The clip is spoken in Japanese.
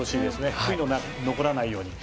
悔いの残らないように。